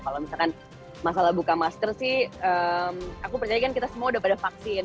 kalau misalkan masalah buka masker sih aku percaya kan kita semua udah pada vaksin